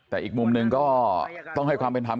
แต่อีกมุมหนึ่งก็ต้องให้ความเป็นธรรม